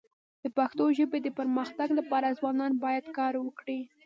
د پښتو ژبي د پرمختګ لپاره ځوانان باید کار وکړي.